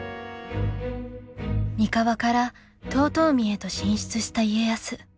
三河から遠江へと進出した家康。